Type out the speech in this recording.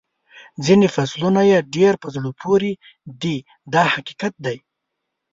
ځینې فصلونه یې ډېر په زړه پورې دي دا حقیقت دی.